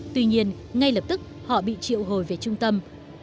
tuy nhiên ngay lập tức họ bị triệu hồi về trung tâm